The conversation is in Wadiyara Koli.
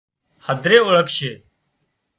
هڌري اوۯکشي